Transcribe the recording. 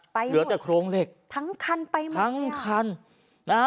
เหลือแต่โครงเหล็กทั้งคันไปหมดทั้งคันนะฮะ